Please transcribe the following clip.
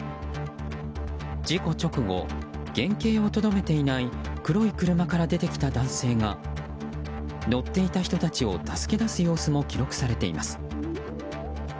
事故直後、原形をとどめてない黒い車から出てきた男性が乗っていた人たちを助け出す様子も記録されています。